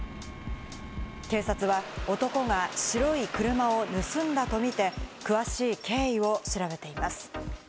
警察は男が白い車を盗んだとみて、詳しい経緯を調べています。